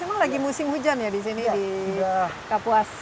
emang lagi musim hujan ya disini di kapuas